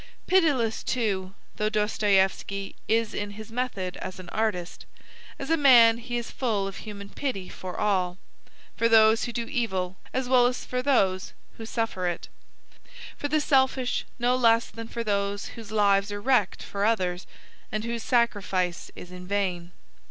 Pitiless, too, though Dostoieffski is in his method as an artist, as a man he is full of human pity for all, for those who do evil as well as for those who suffer it, for the selfish no less than for those whose lives are wrecked for others and whose sacrifice is in vain.